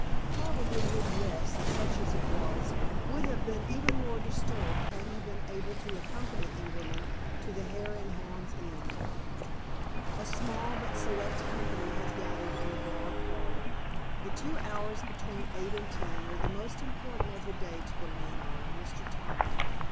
Probably his rest, such as it was, would have been even more disturbed had he been able to accompany Ingerman to the Hare and Hounds Inn. A small but select company had gathered in the bar parlor. The two hours between eight and ten were the most important of the day to the landlord, Mr. Tomlin.